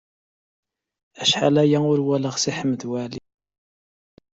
Acḥal aya ur walaɣ Si Ḥmed Waɛli.